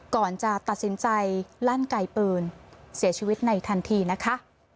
ก่อนจะตัดสินใจลั่นไก่ปืนเสียชีวิตในทันทีนะคะ